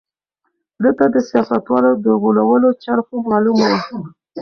ده ته د سياستوالو د غولولو چل ښه معلوم و.